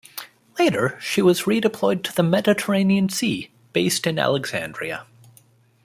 Later, she was redeployed to the Mediterranean Sea, based in Alexandria.